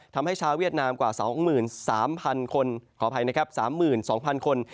ทำให้ชาวเวียดนามกว่า๓๒๐๐๐คน